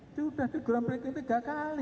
itu udah di groundbreaking tiga kali